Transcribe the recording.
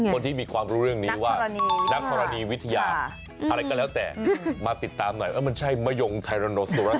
คนที่มีความรู้เรื่องนี้ว่านักธรณีวิทยาอะไรก็แล้วแต่มาติดตามหน่อยว่ามันใช่มะยงไทโรโนโซรัส